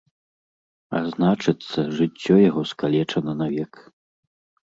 А значыцца, жыццё яго скалечана навек.